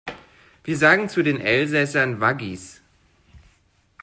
Wir sagen zu den Elsässern Waggis.